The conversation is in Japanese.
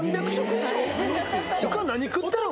他何食ってんの？